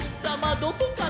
どこかな？」